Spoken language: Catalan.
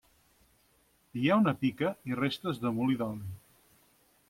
Hi ha una pica i restes de molí d'oli.